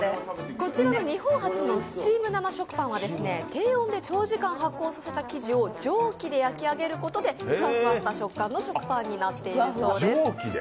こちらの日本初のスチーム生食パンは、低温で長時間発酵させた生地を蒸気で焼き上げることでふわふわした食感の食パンになっているそうです。